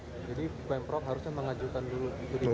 jadi pemprov harusnya mengajukan dulu